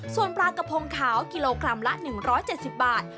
ส่วนปลากระพงขาวกิโลกรัมละ๑๗๐บาท